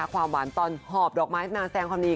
ในการบานตอนหอบดอกไม้ที่สนามแสงความดี